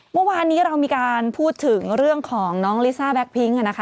เมื่อวานนี้เรามีการพูดถึงเรื่องของน้องลิซ่าแก๊กพิ้งนะคะ